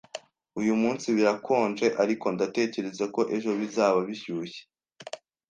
Uyu munsi birakonje, ariko ndatekereza ko ejo bizaba bishyushye